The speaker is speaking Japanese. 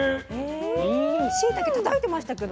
しいたけたたいてましたけど。